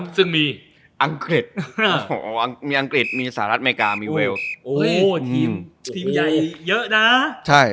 ซึ่งมีอังกฤษมีอังกฤษมีสหรัฐอเมริกามีเวลโอ้โหทีมใหญ่เยอะนะ